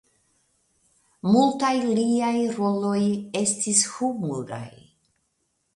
Multaj liaj roloj estis humuraj.